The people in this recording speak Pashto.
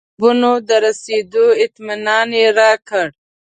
د کتابونو د رسېدو اطمنان یې راکړ.